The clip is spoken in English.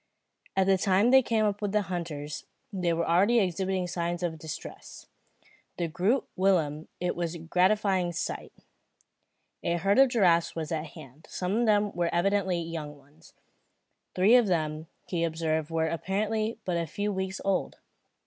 At the time they came up with the hunters, they were already exhibiting signs of distress. To Groot Willem it was a gratifying sight. A herd of giraffes was at hand. Some of them were evidently young ones. Three of them he observed were apparently but a few weeks old.